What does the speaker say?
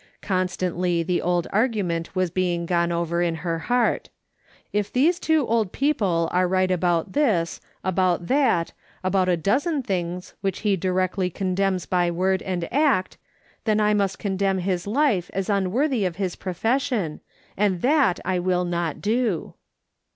Constantly the old argument was being gone over in her heart :" If these two old people are right about this about that, about a dozen things which he directly con demns by word and act, then I must condemn his life as unworthy of his profession, and that I will not do